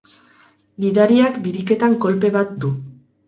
Gidariak biriketan kolpe bat du.